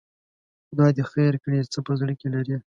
خدای دې خیر کړي، څه په زړه کې لري؟